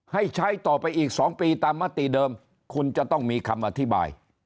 ให้ใช้ต่อไปอีก๒ปีตามมติเดิมคุณจะต้องมีคำอธิบาย